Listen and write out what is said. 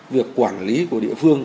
việc quản lý của địa phương